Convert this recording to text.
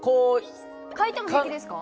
変えても平気ですか？